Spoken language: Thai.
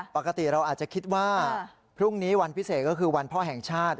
ปกติเราอาจจะคิดว่าพรุ่งนี้วันพิเศษก็คือวันพ่อแห่งชาติ